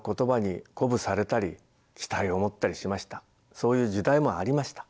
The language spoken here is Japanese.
そういう時代もありました。